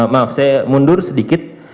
maaf saya mundur sedikit